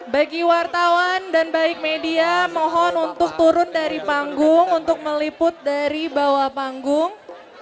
bagi wartawan dan baik media mohon untuk turun dari panggung untuk meliput dari bawah panggung